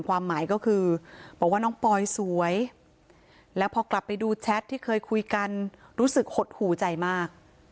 ความหมายก็คือบอกว่าน้องปอยสวยแล้วพอกลับไปดูแชทที่เคยคุยกันรู้สึกหดหูใจมาก